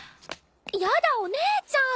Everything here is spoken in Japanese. やだお姉ちゃん！